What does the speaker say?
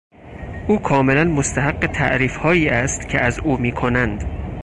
او کاملا مستحق تعریفهایی است که از او میکنند.